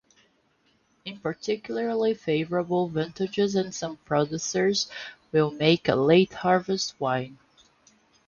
In particularly favourable vintages some producers will make a late harvest wine.